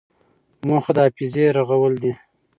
موخه د حافظې رغول دي.